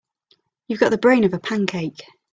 You've got the brain of a pancake.